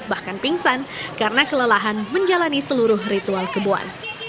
bahkan pingsan karena kelelahan menjalani seluruh ritual kebuan